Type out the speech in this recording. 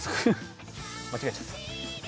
間違えちゃった。